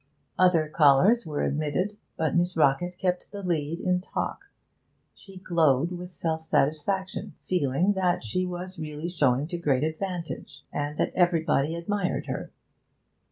Other callers were admitted, but Miss Rockett kept the lead in talk; she glowed with self satisfaction, feeling that she was really showing to great advantage, and that everybody admired her.